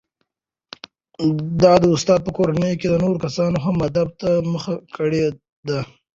د استاد په کورنۍ کې نورو کسانو هم ادب ته مخه کړې ده.